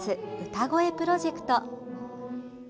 「歌声プロジェクト」。